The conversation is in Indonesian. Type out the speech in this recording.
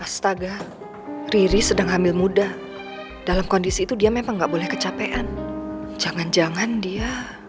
astaga riri sedang hamil muda dalam kondisi itu dia memang nggak boleh kecapean jangan jangan dia